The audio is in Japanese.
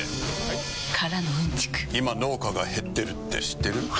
今農家が減ってるって知ってる？